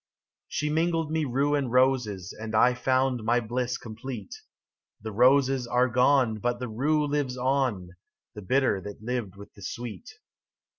SHE mingled me rue and roses, And I found my bliss complete : The roses are gone. But the rue lives on. The bitter that lived with the sweet.